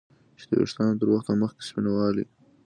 چې د ویښتانو تر وخته مخکې سپینوالی